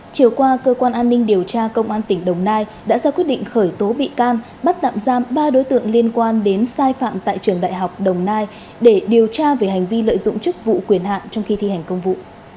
chiều qua cơ quan an ninh điều tra công an tỉnh đồng nai đã ra quyết định khởi tố bị can bắt tạm giam ba đối tượng liên quan đến sai phạm tại trường đại học đồng nai để điều tra về hành vi lợi dụng chức vụ quyền hạn trong khi thi hành công vụ